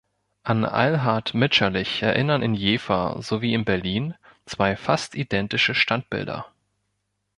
An Eilhard Mitscherlich erinnern in Jever sowie in Berlin zwei fast identische Standbilder.